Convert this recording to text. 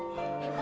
eh papi jangan